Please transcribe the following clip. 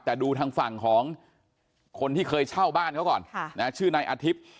แต่ดูทางฝั่งของคนที่เคยเช่าบ้านเขาก่อนชื่อนายอาทิตย์